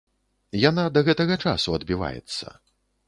Яна да гэтага часу адбіваецца.